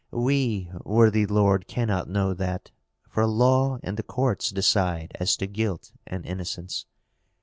"We, worthy lord, cannot know that, for law and the courts decide as to guilt and innocence.